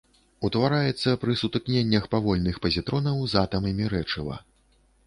Утвараецца пры сутыкненнях павольных пазітронаў з атамамі рэчыва.